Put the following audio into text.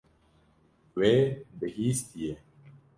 Wê bihîstiye.